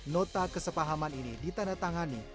nota kesepahaman ini ditandatangani